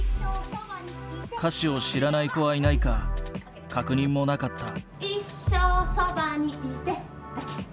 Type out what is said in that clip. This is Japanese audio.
歌詞を知らない子はいないか確認もなかった。